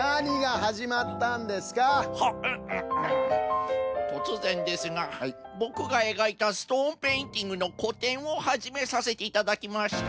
はっんんっとつぜんですがボクがえがいたストーンペインティングのこてんをはじめさせていただきました。